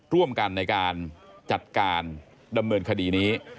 ร่วมกันในการจัดการดำเนินคดีนี้